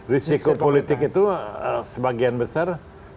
risiko politik itu sebagian besar